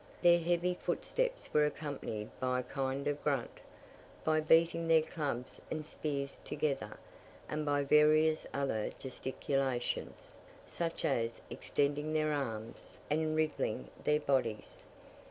Their heavy footsteps were accompanied by a kind of grunt, by beating their clubs and spears together, and by various other gesticulations, such as extending their arms and wriggling their bodies.